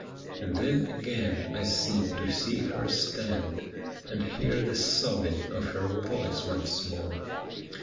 And then again I seemed to see her stand, And hear the sobbing of her voice once more.